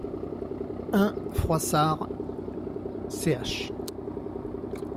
un Froissart, ch.